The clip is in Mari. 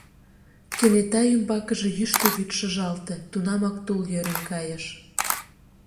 Кенета ӱмбакыже йӱштӧ вӱд шыжалте, тунамак тул йӧрен кайыш.